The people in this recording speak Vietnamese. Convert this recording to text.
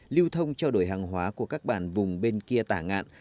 lưu thông trao đổi hàng hóa của các bản vùng bên kia tả ngạn